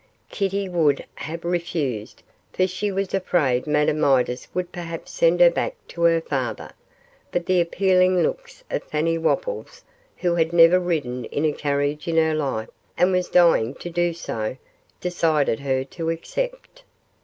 Kitty would have refused, for she was afraid Madame Midas would perhaps send her back to her father, but the appealing looks of Fanny Wopples, who had never ridden in a carriage in her life, and was dying to do so, decided her to accept.